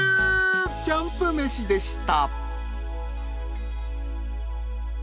キャンプ飯でした。